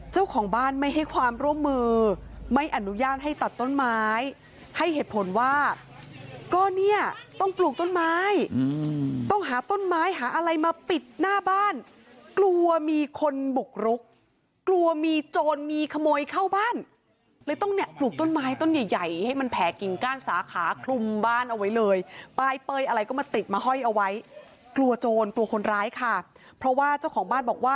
เจ้าของบ้านไม่ให้ความร่วมมือไม่อนุญาตให้ตัดต้นไม้ให้เหตุผลว่าก็เนี่ยต้องปลูกต้นไม้ต้องหาต้นไม้หาอะไรมาปิดหน้าบ้านกลัวมีคนบุกรุกกลัวมีโจรมีขโมยเข้าบ้านเลยต้องเนี่ยปลูกต้นไม้ต้นใหญ่ใหญ่ให้มันแผลกิ่งก้านสาขาคลุมบ้านเอาไว้เลยปลายเปยอะไรก็มาติดมาห้อยเอาไว้กลัวโจรกลัวคนร้ายค่ะเพราะว่าเจ้าของบ้านบอกว่า